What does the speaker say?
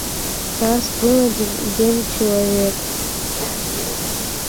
Нас было девять человек детей.